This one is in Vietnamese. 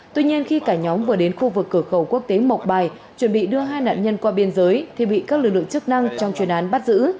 tuy nhiên khi cả nhóm vừa đến khu vực cửa khẩu quốc tế mộc bài chuẩn bị đưa hai nạn nhân qua biên giới thì bị các lực lượng chức năng trong chuyên án bắt giữ